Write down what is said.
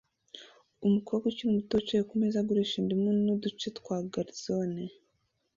Umukobwa ukiri muto wicaye kumeza agurisha indimu na uduce twa garizone